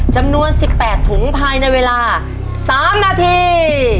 จำนวน๑๘ถุงภายในเวลา๓นาที